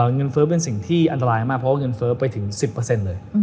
เงินเฟ้อเป็นสิ่งที่อันตรายมากเพราะว่าเงินเฟ้อไปถึง๑๐เลย